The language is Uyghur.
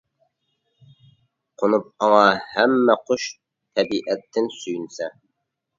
قونۇپ ئاڭا ھەممە قۇش، تەبىئەتتىن سۆيۈنسە.